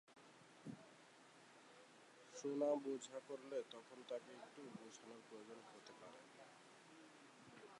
শোনা-বোঝা করলে তখন তাকে একটু বুঝানোর প্রয়োজন হতে পারে।